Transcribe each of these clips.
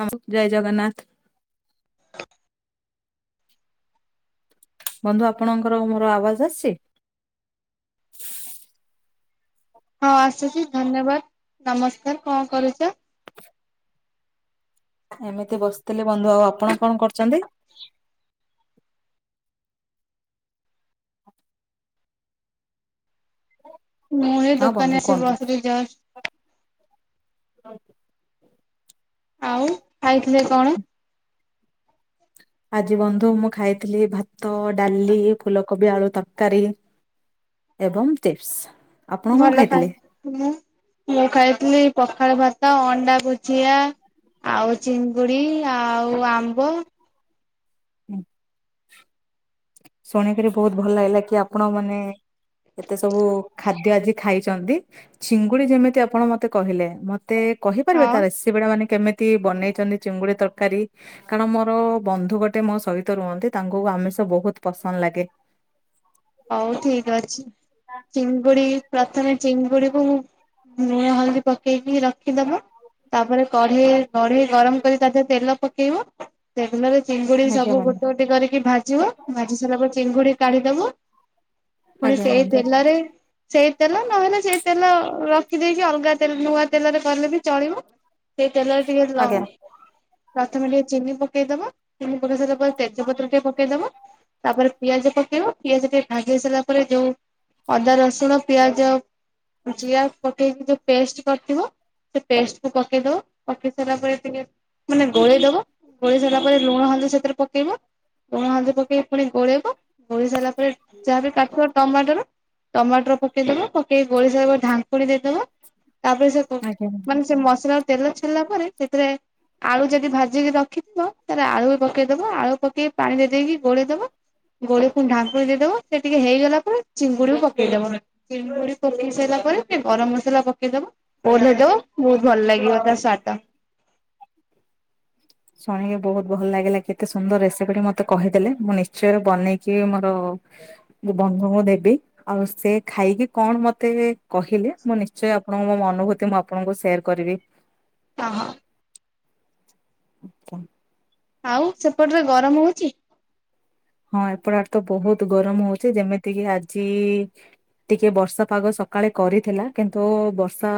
ନମସ୍ ଜୟ ଜଗନ୍ନାଥ। ବନ୍ଧୁ ଆପଣଙ୍କର ମୋର ଆବାଜ ଆସଚି? ହଁ ଆସୁଚି ଧନ୍ୟବାଦ ନମସ୍କାର କଣ କରୁଚ? ଏମିତି ବସିଥିଲି ବନ୍ଧୁ ଆଉ ଆପଣ କଣ କରୁଚନ୍ତି? ମୁଁ ଏଇ ହଁ ବନ୍ଧୁ ଦୋକାନରେ ଆସିକି କୁହନ୍ତୁ। ବସିଲି ଜଷ୍ଟ। [inaudible] ଆଉ ଖାଇଥିଲେ କଣ? ଆଜି ବନ୍ଧୁ ମୁଁ ଖାଇଥିଲି ଭାତ, ଡାଲି, ଫୁଲକୋବି ଆଳୁ ତରକାରୀ। ଏବଂ ଚିପସ୍। ଭଲ ଖା ମୁଁ ମୁଁ ଖାଇଥିଲି ପ ପଖାଳ ଭାତ ଅଣ୍ଡା ଭୁଜିଆ ଆଉ ଚିଙ୍ଗୁଡି ଆଉ ଆମ୍ବ। ଉଁ। ଶୁଣିକିରି ବୋହୁତ ଭଲ ଲାଗିଲା କି ଆପଣ ମାନେ ଏତେସବୁ ଖାଦ୍ୟ ଆଜି ଖାଇଚନ୍ତି ଚିଙ୍ଗୁଡି ଯେମିତି ଆପଣ ମତେ କହିଲେ ମତେ କହିପାରିବେ ହଁ ତା ରେସିପିଟା ମାନେ କେମି ତି ବନେଇଚନ୍ତି ଚିଙ୍ଗୁଡ଼ି ତରକାରୀ କାରଣ ମୋର ବନ୍ଧୁ ଗୋଟେ ମୋ ସହିତ ରୁହନ୍ତି ତାଙ୍କୁ ଆମିଷ ବୋହୁତ ପସନ୍ଦ ଲାଗେ। ହୋଉ ଠିକ ଅଛି ଚିଙ୍ଗୁଡି ପ୍ରଥମେ ଚିଙ୍ଗୁଡି କୁ ଲୁଣ, ହଳଦୀ ପକେଇକି ରଖିଦବ ତାପରେ କଢେଇ କଢେଇ ଗରମ କରି ତା ଦେହରେ ତେଲ ପକେଇବ ତେଲରେ ଚିଙ୍ଗୁଡି ଆଜ୍ଞା ସବୁ ବନ୍ଧୁ। ଗୋଟେ ଗୋଟେ କରିକି ଭାଜିବ ଭାଜି ସାରିବା ପରେ ଚିଙ୍ଗୁଡି କାଢିଦବ। ପୁଣି ଆଜ୍ଞା ସେଇ ବନ୍ଧୁ ତେଲରେ ସେଇ ତେଲ ନହେଲେ ସେଇ ତେଲ ରଖିଦେଇକି ଅଲଗା ତେଲ୍ ନୂଆ ତେଲରେ କରଲେ ବି ଚଳିବ। ସେଇ ତେଲରେ ଟିକେ ଲ ଆଜ୍ଞା ପ୍ରଥମେ ଟିକେ ଚିନି ପକେଇଦବ ଚିନି ପକେଇ ସାରିଲା ପରେ ତେଜପତ୍ର ଟିକେ ପକେଇଦବ। ତାପରେ ପିଆଜ ପକେଇବ ପିଆଜଟେ ଭାଜି ହେଇ ସାରିଲା ପରେ ଯୋଉ ଅଦା, ରସୁଣ, ପିଆଜ ଜିରା ପକେଇକି ଯୋଉ ପେଷ୍ଟ କରଥିବ ସେ ପେଷ୍ଟକୁ ପକେଇଦବ ପକେଇ ସାରିଲା ପରେ ଟିକେ ମାନେ ଗୋଳେଇଦବ ଗୋଳେଇ ସାରିଲା ପରେ ଲୁଣ ହଳଦି ସେଥିରେ ପକେଇବ ଲୁଣ, ହଲଦି ପକେଇ ପୁଣି ଗୋଳେଇବ ଗୋଳଇ ସାଇଲା ପରେ ଯାହାବି ପାଖର ଟମାଟୋର ଟମାଟର ପକେଇଦବ ପକେଇ ଗୋଳେଇ ସାଇଲା ପରେ ଢାଙ୍କୁଡି ଦେଇଦବ। ତା ପରେ ସେ କୋ ଆଜ୍ଞା ମାନେ ସେ ମସଲାରୁ ତେଲ ଛାଡିଲା ପରେ ସେଥିରେ ଆଳୁ ଯଦି ଭାଜିକି ରଖିଥିଲ ତାହେଲେ ଆଳୁ ବି ପକେଇଦବ ଆଳୁ ପକେଇ ପାଣିରେ ଦେଇକି ଗୋଳେଇଦବ। ଗୋଳେଇ ଫୁଣି ଢାଙ୍କୁଣି ଦେଇଦବ। ସେ ଟିକେ ହେଇଗଲା ପରେ ଚିଙ୍ଗୁଡି ବି ପକେଇ ଦବ ଚିଙ୍ଗୁଡି ପକେଇ ସାଇଲା ପରେ ଗରମ ମସଲା ପକେଇ ଦବ। ଓଲହେଇ ଦବ ବୋହୁତ ଭଲ ଲାଗିବ ତା ସ୍ୱାଦ। [inaudible] ଶୁଣିକି ବୋହୁତ ଭଲ ଲାଗିଲା କେତେ ସୁନ୍ଦର ରେସିପିଟି ମତେ କହିଦେଲେ ମୁଁ ନିଶ୍ଚୟ ବନେଇକି ଓ ମୋ ବନ୍ ଧୁଙ୍କୁ ଦେବି ଆଉ ସେ ଖାଇକି କଣ ମତେ କହିଲେ ମୁଁ ନିଶ୍ଚୟ ଆପଣଙ୍କୁ ମୋ ଅନୁଭୂତି ଆପଣଙ୍କୁ ସେୟାର କରିବି। ଅହ। ଆଚ୍ଛା ଆଉ ସେପଟରେ ଗରମ ହୋଉଚି? ହଁ ଏପଟ ଆଡେ ତ ବୋହୁତ ଗରମ ହୋଉଚି ଯେମିତିକି ଆଜି ଟିକେ ବର୍ଷା ପାଗ ସକାଳେ କରିଥିଲା କିନ୍ତୁ ବର୍ଷା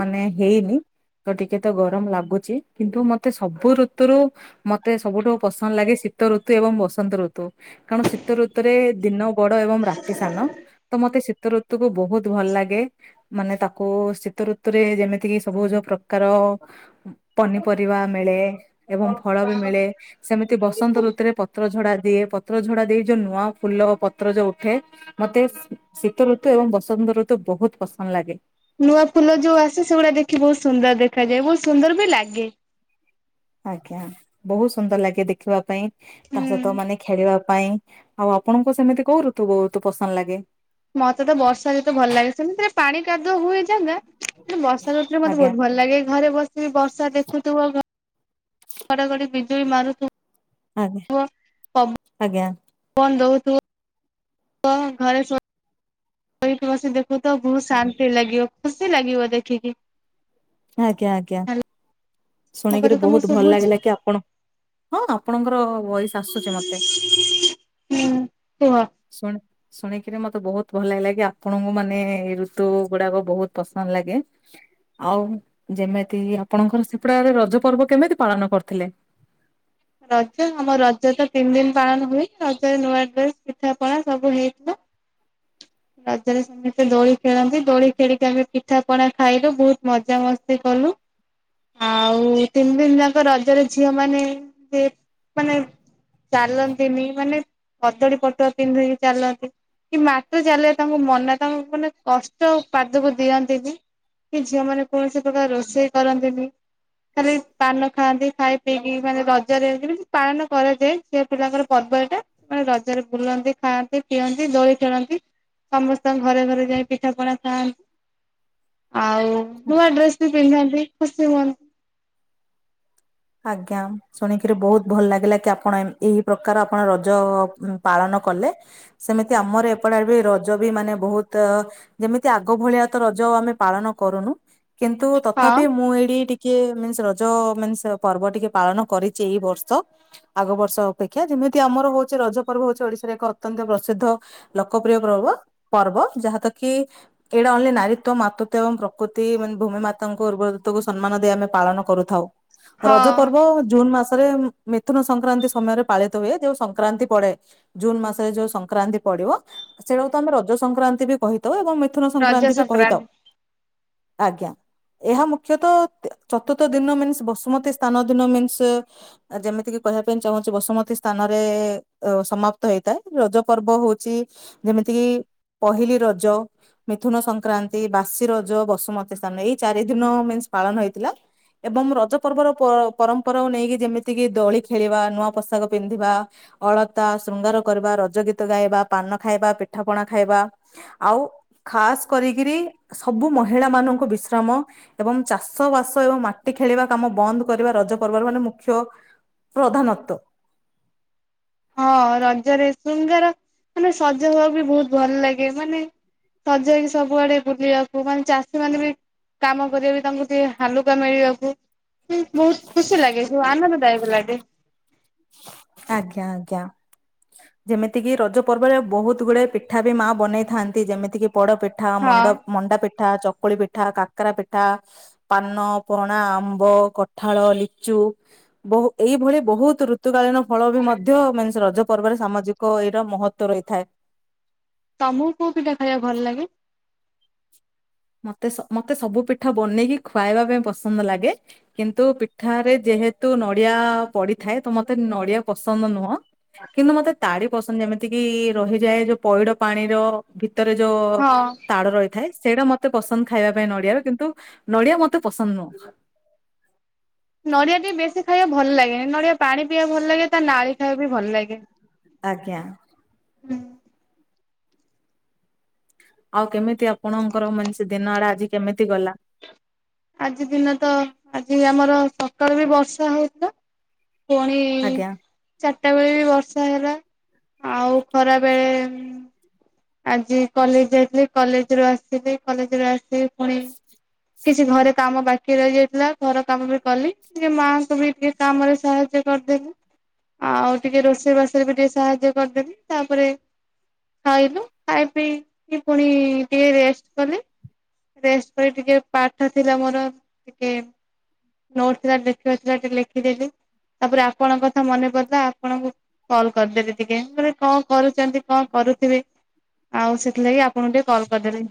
ମାନେ ହେଇନି। ତ ଟିକେ ତ ଗରମ ଲାଗୁଚ କିନ୍ତୁ ମତେ ସବୁ ଋତୁରୁ ମତେ ସବୁଠୁ ପସନ୍ଦ ଲାଗେ ଶୀ ଶୀତ ଋତୁ ଏବଂ ବସନ୍ତ ଋ ତୁ କାରଣ ଶୀତ ଋତୁରେ ଦିନ ବଡ ଏବଂ ରାତି ସାନ ତ ମତେ ଶୀ ତୁ ଋତୁକୁୁ ବହୁତ ଭଲ ଲାଗେ। ମାନେ ତାକୁ ଶୀତ ଋତୁରେ ଯେମିତିକି ସବୁ ଯୋଉ ପ୍ରକାର ଓ ଉଁ। ପନିପରିବା ମିଳେ ଏବଂ ଫଳ ବି ମିଳେ ସେମିତି ବସନ୍ତ ଋତୁରେ ପତ୍ର ଝଡ଼ା ଦିଏ। ପତ୍ର ଝଡ଼ା ଦେଇ ଯୋଉ ନୂଆ ଫୁଲ ପତ୍ର ଯୋଉ ଉଠେ ମତେ ସେ ତ ଋତୁ ଏବଂ ବସନ୍ତ ଋତୁ ବହୁତ ପସନ୍ଦ ଲାଗେ। ନୂଆ ଫୁଲ ଯୋଉ ଆସେ ସେଗୁଡ଼ା ଦେଖି ବହୁତ ସୁନ୍ଦର ଦେଖାଯାଏ। ବହୁତ ସୁନ୍ଦର ବି ଲାଗେ। ଆଜ୍ଞା ବହୁତ ସୁନ୍ଦର ଲାଗେ ଦେଖିବା ପାଇଁ ତା ହୁଁ। ସହିତ ମାନେ ଖେଳିବା ପାଇଁ ଆଉ ଆପଣଙ୍କୁ ସେମିତି କୋଉ ଋତୁ ବହୁତ ପସନ୍ଦ ଲାଗେ? ମତେ ତ ବର୍ଷା ଯେତେ ଭଲ ଲାଗେ ସେମିତି ରେ ପାଣି କାଦୁଅ ହୁଏ ଜାଗା। ମତେ ବର୍ଷା ଋତୁରେ ମତେ ଆଜ୍ଞା ବହୁତ ଭଲ ଲାଗେ। ଘରେ ବସ ସି ବର୍ଷା ଦେଖୁଥିବ ଘଡ଼ଘଡ଼ି ବିଜୁଳି ଆଜ୍ଞା ମାରୁଥିବ। ଆଜ୍ଞା ପବନ ଦୋଉ। ବ ଘରେ ସୋ ବି ବସି ଦେଖୁ ତ ବହୁତ ଶାନ୍ତି ଲାଗିବ ଖୁସି ଲାଗିବ ଦେଖିକି। ଆଜ୍ଞା ଆଜ୍ଞା ହେଲା ମୋ ଶୁଣିକରି କଥା ତମକୁ ବହୁତ ଭଲ ଶୁଭୁଛି ଲାଗିଲା କି ଆପଣ ହଁ। ଆପଣଙ୍କର ଭଏସ ଆସୁଛି ମତେ ହୁଁ କୁହ। ଶୁଣି ଶୁଣିକିରି ମତେ ବହୁତ ଭଲ ଲାଗିଲା କି ଆପଣଙ୍କୁ ମାନେ ଏ ଋତୁ ଗୁଡ଼ାକ ବହୁତ ପସନ୍ଦ ଲାଗେ। ଆଉ ଯେମିତି ଆପଣଙ୍କର ସେପଟ ଆଡ଼େ ରଜ ପର୍ବ କେମିତି ପାଳନ କରୁଥିଲେ? ରଜ ଆମ ରଜ ତ ତିନି ଦିନ ପାଳନ ହୁଏ ରଜରେ ନୂଆ ଡ୍ରେସ ପିଠା ପଣା ସବୁ ହେଇଥିଲା। ରଜରେ ସମସ୍ତେ ଦୋଳି ଖେଳନ୍ତି ଦୋଳି ଖେଳିକି ଆମେ ପିଠା ପଣା ଖାଇଲୁ ବହୁତ ମଜା ମସ୍ତି କଲୁ। ଆଉ ତିନି ଦିନ ଯାକ ରଜରେ ଝିଅ ମାନେ ମାନେ ଚାଲନ୍ତିନି ମାନେ କଦଳୀ ପଟୁଆ ପିନ୍ଧିକି ଚାଲନ୍ତି। କି ମାଟି ଚାଲିଲେ ତାଙ୍କୁ ମନା ତାଙ୍କୁ ମାନେ କଷ୍ଟ ପାଦକୁ ଦିଅନ୍ତିନି। କି ଝିଅ ମାନେ କୌଣସି ପ୍ରକାର ରୋଷେଇ କରନ୍ତିନି। ଖାଲି ପାନ ଖାଆନ୍ତି ଖାଇ ପିଇକି ମାନେ ବାଦ ରଜରେ ଯେମିତି ପାଳନ କରାଯାଏ ଝିଅ ପିଲାଙ୍କର ପର୍ବ ଏଟା ମାନେ ରଜରେ ବୁଲନ୍ତି ଖାଆନ୍ତି ପିଅନ୍ତି। ଦୋଳି ଖେଳନ୍ତି ସମସ୍ତଙ୍କ ଘରେ ଘରେ ଯାଇ ପିଠା ପଣା ଖାଆନ୍ତି। ଆଉ ନୂଆ ଡ୍ରେସ୍‌ ବି ପିନ୍ଧାନ୍ତି ଖୁସି ହୁଅନ୍ତି। ଆଜ୍ଞା ଶୁଣିକିରି ବହୁତ ଭଲ ଲାଗିଲା କି ଆପଣ ଏମି ଏହି ପ୍ରକାର ଆପଣ ରଜ ପାଳନ କଲେ ସେମିତି ଆମର ଏପଟ ଆଡ଼େ ବି ରଜ ବି ମାନେ ବହୁତ ଯେମିତି ଆଗ ଭଳିଆ ତ ର ଯୋଉ ଆମେ ପାଳନ କରୁନୁ କିନ୍ତୁ ହଁ ତଥାପି ମୁଁ ଏଇଠି ଟିକେ ମିନ୍ସ ରଜ ମିନ୍ସ ପର୍ବ ଟିକେ ପାଳନ କରିଛି ଏଇ ବର୍ଷ ଆଗ ବର୍ଷ ଅପେକ୍ଷା ଯେମିତି ଆମର ହଉଛି ରଜ ପର୍ବ ହୋଉଛି ଓଡ଼ିଶା। ରେ ଏକ ଅତ୍ୟନ୍ତ ପ୍ରସିଦ୍ଧ ଲୋକପ୍ରିୟ ପ୍ରବ ପର୍ବ ଯାହାତ କି ଏଇଟା ଓଲି ନାରୀ ତ୍ବ ମାତୃତ୍ଵ ଏବଂ ପ୍ରକୃତି ମାନେ ଭୂମି ମାତାଙ୍କୁ ଉର୍ବରୁତୁକୁ ସମ୍ମାନ ଦେଇ ଆମେ ପାଳନ କରୁଥାଉ। ହଁ ରଜ ପର୍ବ ଜୁନ୍ ମାସ ରେ ମିଥୁନ ସଂକ୍ରାନ୍ତି ସମୟରେ ପାଳିତ ହୁଏ ଯୋଉ ସଂକ୍ରାନ୍ତି ପଡ଼େ ଜୁନ୍ ମାସରେ ଯୋଉ ସଂକ୍ରାନ୍ତି ପ ପଡ଼ିବ ସେଇଟାକୁ ତ ଆମେ ରଜ ସଂକ୍ରାନ୍ତି ବି କହି ତ ଏବଂ ମିଥୁନ ସଂକ୍ରାନ୍ତି ବି କହିଥାଉ ଆଜ୍ଞା। ଏହା ମୁଖ୍ୟତଃ ଚତୁର୍ଥ ଦିନ ମିନ୍ସ ବସୁମତୀ ସ୍ଥାନ ଦିନ ମିନ୍ସ ଯେମିତିକି କହିବା ପାଇଁ ଚାହୁଁଛି ବସୁମତୀ ସ୍ଥାନରେ ସମାପ୍ତ ହେଇ ଥାଏ ରଜ ପର୍ବ ହୋଉଛି ଯେମିତି କି ପହିଲି ରଜ ମିଥୁନ ସଂକ୍ରାନ୍ତି ବାସି ରଜ ବସୁମତୀ ସ୍ଥାନ ଏଇ ଚାରି ଦିନ ମିନ୍ସ ପାଳନ ହେଇଥିଲା ଏବଂ ରଜ ପର୍ବର ପ ପରମ୍ପରାକୁ ନେଇକି ଯେମିତି କିି ଦୋଳି ଖେଳିବା ନୂଆ ପୋଷାକ ପିନ୍ଧିବା ଅଳତା ଶୃଙ୍ଗାର। କରିବା ରଜ ଗୀତ ଗାଇବା ପାନ ଖାଇବା ପିଠା ପଣା ଖାଇବା ଆଉ ଖାସ୍‌ କରିକରି କି ସବୁ ମହିଳା ମାନଙ୍କୁ ବିଶ୍ରାମ ଏବଂ ଚାଷ ବାସ ଏବଂ ମାଟି ଖେଳିବା କାମ ବନ୍ଦ। କରିବା ରଜ ପର୍ବର ମାନେ ମୁଖ୍ୟ ପ୍ରଧାନତ୍ବ। ହଁ ରଜରେ ଶୃଙ୍ଗାର ମାନେ ସଜା ହବା ବି ବହୁତ ଭଲ ଲାଗେ ମାନେ ସଜେଇକି ସବୁଆଡ଼େ ବୁଲିବାକୁ ମାନେ ଚାଷୀ ମାନେ ବି କାମ କରିବା ବି ତାଙ୍କୁ ଟିକେ ହାଲୁକା ମିଳିବାକୁ ବହୁତ ଖୁସି ଲାଗେ ସବୁ ଆନନ୍ଦଦାୟକ ଲାଗେ। ଆଜ୍ଞା ଆଜ୍ଞା। ଯେମିତିକି ରଜ ପର୍ବରେ ବହୁତ ଗୁଡାଏ ପିଠା ବି ମା ବନେଇଥାନ୍ତି ଯେମିତିକି ପୋଡ଼ ପିଠା ହଁ। ମଣ୍ଡ ମଣ୍ଡା ପି ଠା ଚକୁଳି ପିଠା, କାକରା ପିଠା, ପାନ, ପଣା, ଆମ୍ବ, କଠାଳ, ଲିଚୁ ବହୁ ବହୁ ଏଇଭଳି ବହୁତ ଋତୁକାଳୀନ ଫଳ ବି ମଧ୍ୟ ମାନେ ରଜ ପର୍ବରେ ସାମାଜିକ ଏଇଟ ମହତ୍ୱ ରହିଥାଏ। ତମ କୁ କଉ ପିଠା ଖାଇବାକୁ ଭଲ ଲାଗେ? ମତେ ସ ମତେ ସବୁ ପିଠା ବନେଇକି ଖ୍ୱାଇବା ପାଇଁ ପସନ୍ଦ ଲାଗେ କିନ୍ତୁ ପିଠାରେ ଯେହେ ତୁ ନଡିଆ ପଡିଥାଏ ତ ମତେ ନଡିଆ ପସନ୍ଦ ନୁହଁ କିନ୍ତୁ ମତେ ତାଡି ପସନ୍ଦ ଯେମିତି କିି ରହିଯାଏ ଯୋଉ ପଇଡ ପାଣିର ଭି ଭିତରେ ଯୋଉ ହଁ ତାଡ ରହିଥାଏ ସେଇଟା ମତେ ପସନ୍ଦ ଖାଇବା ପାଇଁ ନଡିଆ ର କିନ୍ତୁ ନଡିଆ ମ ତ ପସନ୍ଦ ନୁହ। ନଡିଆ ଟିକେ ବେଶୀ ଖାଇବା ଭଲ ଲାଗେନି ନଡ଼ିଆ ପାଣି ପିଇବାକୁ ଭଲ ଲାଗେ ତା ନାଳି ଟାବି ଭଲ ଲାଗେ। ଆଜ୍ଞା। ହୁଁ। ଆଉ କେମିତି ଆପଣଙ୍କର ମାନେ ସେ ଦିନ ଆଜି କେମିତି ଗଲା? ଆଜି ଦିନ ତ ଆଜି ଆମର ସକାଳୁ ବି ବର୍ଷା ହଉଥିଲା। ପୁଣି ଆଜ୍ଞା। ଚାରିଟା ବେଳେ ବି ବର୍ଷା ହେଲା ଆଉ ଖରା ବେଳେ ଆଜି କଲେଜ ଯାଇଥିଲି କଲେଜ ରୁ ଆସିଲି କଲେଜ ରୁ ଆସିି ପୁଣି କିଛି ଘରେ କାମ ବାକି ରହି ଯାଇଥିଲା ଘର କାମ ବି କଲି ଟିକେ ମାଆଙ୍କୁ ବି ଟିକେ କାମରେ ସାହାଯ୍ୟ କରିଦେଲି ଆଉ ଟିକେ ରୋଷେଇ ବାଷେଇରେ ବି ଟିକେ ସାହାଯ୍ୟ କରିଦେଲି ତାପରେ ଖାଇଲୁ ଖାଇ ପିଇକି ପୁଣି ଟିକେ ରେଷ୍ଟ କଲି। ରେଷ୍ଟ ପରେ ଟିକେ ପାଠ ଥିଲା ମୋର ଟିକେ ନୋଟ ଥିଲା ଲେଖିବାର ଥିଲା ଟିକେ ଲେଖିଦେଲିି। ତାପରେ ଆପଣଙ୍କ କଥା ମନେ ପଡିଲା ଆପଣଙ୍କୁ କଲ କରିଦେଲି ଟିକେ ମାନେ କଣ କରୁଛନ୍ତି କଣ କ ରୁଥିବେ ଆଉ ସେଇଥିଲାଗି ଆପଣଙ୍କୁ ଟିକେ କଲ କରିଦେଲି।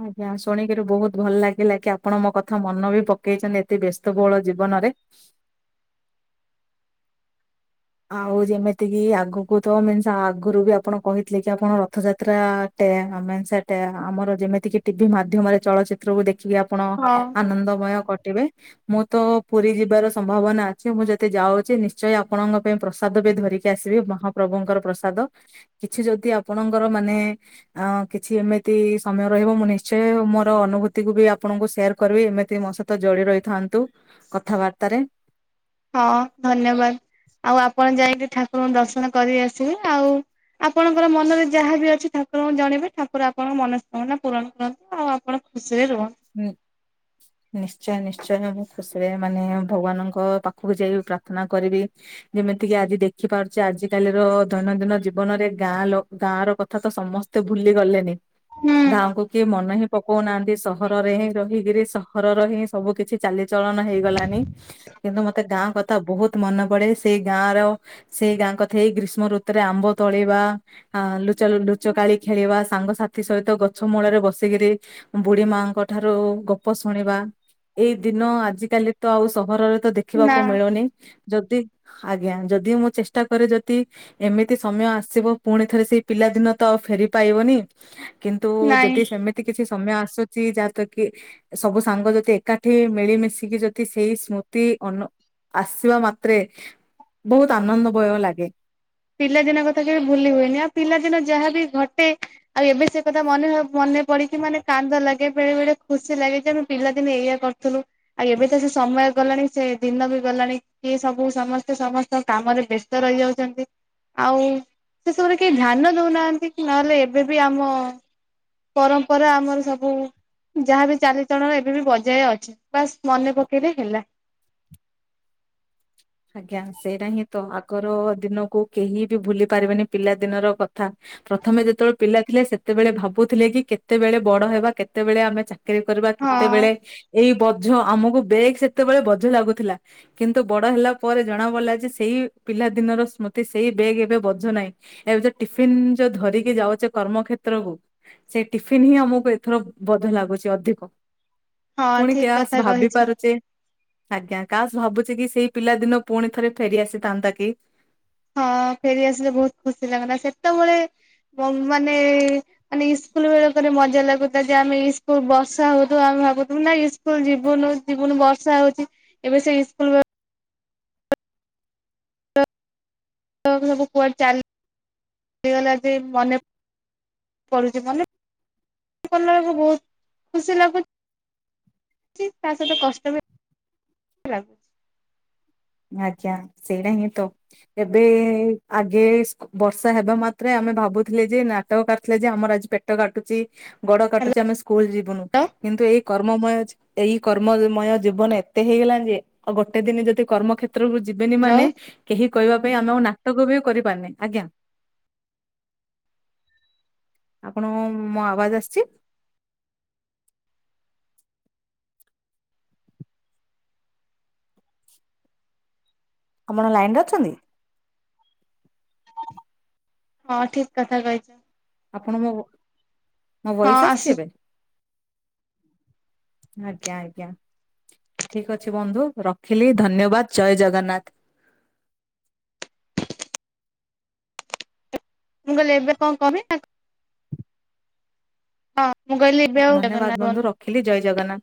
ଆଜ୍ଞା ଶୁଣିକିରି ବହୁତ ଭଲ ଲାଗିଲା କି ଆପଣ ମୋ କଥା ମନ ବି ପକେଇଛନ୍ତି ଏତେ ବ୍ୟସ୍ତବହୁଳ ଜୀବନ ନରେ ଆଉ ଯେମିତିକି ଆଗକୁ ତ ମିନ୍ସ ଆଗରୁ ବି ଆପଣ କହିଥିଲେ କି ଆପଣ ରଥଯାତ୍ରା ସେଟ ଆ ଆମର ଯେମିତି କିି ଟିଭି ମାଧ୍ୟମରେ ଚଳଚିତ୍ରକୁ ଦେ ଚି ଆପଣ ହଁ ଆନନ୍ଦମୟ କ ଥିବେ ମୁଁ ତ ପୁରୀ ଯିବାର ସମ୍ଭାବନା ଅଛି ମୁଁ ଯେତେ ଯାଉଛି ନିଶ୍ଚୟ ଆପଣଙ୍କ ପାଇଁ ପ୍ରସାଦ ବି ଧରିକି ଆସିବେ ମହାପ୍ରଭୁଙ୍କର ପ୍ରସାଦ କିଛି ଯଦି ଆପଣଙ୍କର ମାନେ ଆ କିଛି ଏମିତି ସମୟ ରହିବ ମୁଁ ନିଶ୍ଚୟ ମୋର ଅନୁଭୂତିକୁୁ ବି ଆପଣଙ୍କୁ ସେୟାର କରିବି ଏମିତି ମୋ ସହିତ ଜୋଡି ରହିଥାନ୍ତୁ କଥାବାର୍ତାରେ। ହଁ ଧନ୍ୟବାଦ ଆଉ ଆପଣ ଯାଇକି ଠାକୁରଙ୍କୁ ଦର୍ଶନ କରି ଆସ ଚି ଆଉ ଆ ଆପଣଙ୍କର ମନରେ ଯାହାବି ଅଛି ଠାକୁରଙ୍କୁ ଜଣେଇବେ ଠାକୁର ଆପଣଙ୍କ ମନସ୍କାମନା ପୂରଣ କରନ୍ତୁ ଆଉ ଆପଣ ଖୁସ୍ ହଁ ନିଶ୍ଚୟ ନିଶ୍ ନି୍ଚୟ ମୁଁ ଖୁସିରେ ମାନେ ଭଗବାନଙ୍କ ପାଖକୁ ଯାଇ ପ୍ରାର୍ଥନା କରିବି ଯେମିତି କିି ଆଜି ଦେ ଖିପାରୁଛି ଆଜିକାଲିର ଦୈନନ୍ଦିନ ଜୀବନରେ ଗାଁ ଲୋ ଗାଁ ର କଥା ତ ସମସ୍ତେ ଭୁଲି ଗଲେନି। ହୁଁ ଗାଁକୁ କିଏ ମନେ ହିଁ ପକଉନାହାନ୍ତି ସହ ରେ ହିଁ ରହିକିରି ସହରର ହିଁ ସବୁ କିଛି ଚାଲିଚଳନ ହେଇଗଲାଣି କିନ୍ତୁ ମତେ ଗାଁ କ ଥା ବହୁତ ମନେ ପଡେ ସେଇ ଗାଁ ର ସେଇ ଗାଁ କଥା ଏଇ ଗ୍ରୀଷ୍ମ ଋତୁରେ ଆମ୍ବ ତୋଳିବା ଆ ଲୁଚ ଲୁଚକାଳି ଖେଳିବା ସାଙ୍ଗସାଥି ସହିତ ଗଛ ମୂଳରେ ବସିକିରି ବୁଢୀ ମା ଙ୍କ ଠାରୁ ଗପ ଶୁଣିବା ଏଇ ଦିନ ଆଜିକାଲି ତ ଆଉ ସହରରେ ତ ଦେଖିବାକୁ ନା ମିଳୁନି। ଯଦି ଆଜ୍ଞା ଯଦି ମୁଁ ଚେଷ୍ଟା କରେ ଯଦି ଏମିତି ସମୟ ଆସିବ ପୁଣି ଥରେ ସେଇ ପିଲା ଦିନ ତ ଆଉ ଫେରି ପାଇବନି କିନ୍ତୁ ନାଇଁ ଯଦି ସେମିତି କିଛି ସମୟ ଆସୁ ଯାହାତଵ କି ସବୁ ସାଙ୍ଗ ଯଦି ଏକାଠି ମିଳିମିଶିକି ଯଦି ସେଇ ସ୍ମୃତି ଅନ୍ ଆସିବା ମାତ୍ରେ ବହୁତ ଆନନ୍ଦମୟ ଲାଗେ। ପିଲାଦିନ କଥା ଯମା ଭୁଲି ହୁଏନି ଆଉ ପିଲାଦିନ ଯାହାବି ଘଟେ ଆଉ ଏବେ ସେ କଥା ମନେ ନପ ମନ୍ ମନେ ପିଡିଚି ମାନେ କାନ୍ଦ ଲାଗେ ବେଳେ ବେଳେ ଖୁସି ଲାଗେ ଯେ ଆମେ ପିଲାଦିନେ ଏଇଆ କରୁଥିଲୁ ଆଉ ଏବେ ତ ସେ ସମ ସମୟ ଗଲାଣି ସେ ଦିନ ବି ଗଲାଣି କିଏ ସବୁ ସମସ୍ତେ ସମସ୍ତ କାମରେ ବ୍ୟସ୍ତ ରହିଯାଉଛନ୍ତି। ଆଉ ସେସବୁରେ କେହି ଧ୍ୟାନ ଦଉନାହାନ୍ତି ନହେଲେ ଏବେ ବି ଆମ ପରମ୍ପରା ଆମର ସବୁ ଯାହାବ ଚାଲିଚଳନ ଏବେ ବି ବଜାୟ ଅଛି ବାସ୍ ମନେ ପକେଇରେ ହେଲା। ଆଜ୍ଞା ସେଇଟା ହିଁ ତ ଆଗର ଦିନକୁ କେହି ବି ଭୁଲି ପାରିବେନି ପିଲା ଦିନର କଥା। ପ୍ରଥମେ ଯେତେବେଳେ ପିଲା ଥିଲେ ସେତେବେଳେ ଭାବୁଥିଲେ କି କେତେବେଳେ ବଡ ହେବା କେତେବେଳେ ଆମେ ଚା କିରି କରିବା ହଁ କେତେବେଳେ ଏଇ ବଝ ଆମକୁ ବେଗ ସେତେବେଳେ ବଝ ଲାଗୁଥିଲା କିନ୍ତୁ ବଡ ହେଲା ପ ପରେ ଜଣା ପଡ଼ିଲା ଯେ ସେଇ ପିଲା ଦିନର ସ୍ମୃତି ସେଇ ବ୍ୟାଗ୍ ଏବେ ବଝୁ ନାହିଁ ଏବେ ଯ ଟିଫିନ ଯୋଉ ଧରିକି ଯାଉଛେ କର୍ମ କର୍ମକ୍ଷେତ୍ର କୁ ସେଇ ଟିଫିନ ହିଁ ଆମକୁ ଏଥର ବଧ ଲାଗୁଛି ଅଧିକ। ହଁ ପୁଣି ଠିକ କାଶ କଥା କହିଛ। ଭାବିପରୁଚେ। ଆଜ୍ଞା କାସ ଭାବୁଛି କି ସେଇ ପିଲା ଦିନ ପୁଣି ଥରେ ଫେରିଆସିଥାନ୍ତା କି। ହଁ ଫେରି ଆସିଲେ ବହୁତ ଖୁସି ଲାଗନ୍ତା ସେତେବେଳେ ମାନେ ମାନେ ଇସ୍କୁଲ ବେଳକରେ ମଜା ଲାଗୁଥା ଯେ ଆମେ ଇକୁଲ ବର୍ଷା ହଉୁଥିବ ଆମ ଭାବୁଥିଲୁ ନା ଇସ୍କୁଲ୍ ଜୀବନୁ ବର୍ଷା ହଉଛି ଏବେ ସେ ଇସ୍କୁଲ ସବୁ କୁଆଡେ ଚାଲିଗଲା କୁଆଡେ ମନେପଡୁ କରୁଛି ମାନେ କଲା ବେଳକୁ ବହୁତ ଖୁସି ଲାଗୁଛି। ଉଚ ତା ସତ କଷ୍ଟ ବି ଆଜ୍ଞା ସେଇଟା ହିଁ ତ ଏବେ ଆଗେ ବର୍ଷା ହେବା ମାତ୍ରେ ଆମେ ଭା ଭାବୁଥିଲେ ଯେ ନାଟକରୁଥିଲେ ଯେ ଆମର ଆଜି ପେଟ କାଟୁଛି ଗୋଡ କାଟୁଚି ଆମେ ସ୍କୁ ସ୍କୁଲ ଯିବୁନୁ ହ୍ୟାଲୋ କିନ୍ତୁ ଏଇ କର୍ମମୟ ଜୀ-ଏଇ କର୍ମମୟ ଜୀବନ ଏତେ ହେଇଗଲାଣି ଯେ ଆଉ ଗୋଟେ ଦିନ ଯଦି କର୍ମ ଯିବେନି ହ୍ୟାଲୋ ମାନେ କେହି କହିବା ପାଇଁ ଆମେ ଆ ନାଟକ ବି କରିବାନି ଆଜ୍ଞା। ଆପଣଙ୍କ ମୋ ଆବାଜ ଆସିଛି? ଆପଣ ଲାଇନ ରେ ଅଛନ୍ତି? ହଁ ଠିକ କଥା କହିଛ। ଆପଣ ମୋ- ମୋ ହଁ ଭଏସ୍ ଆସିଛି ଆସୁ ଏବେ? ଆଜ୍ଞା ଆଜ୍ଞା ଠିକ ଅଛି ବନ୍ଧୁ। ରଖିଲି ଧନ୍ୟବାଦ ଜୟ ଜଗନ୍ନାଥ। ମୁଁ କହିଲି ଏବେ କଣ କିବି [unintelligible] ନା ହଁ ମୁଁ କହିଲି ଏବେ ଧନ୍ୟବାଦ ଆଉ ବନ୍ଧୁ ରଖିଲି ଜୟ ଜଗନ୍ନାଥ।